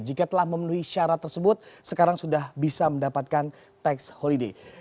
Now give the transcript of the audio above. jika telah memenuhi syarat tersebut sekarang sudah bisa mendapatkan tax holiday